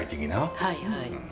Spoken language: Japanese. はいはい。